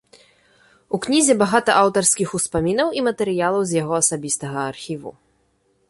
У кнізе багата аўтарскіх успамінаў і матэрыялаў з яго асабістага архіву.